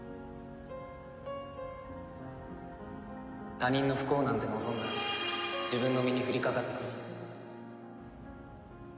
他人の不幸なんて望んだら自分の身に降りかかってくるぞ。